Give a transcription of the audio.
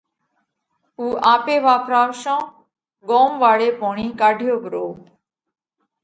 اُو آپي واپراشون ڳوم واۯي پوڻِي ڪاڍيو پرو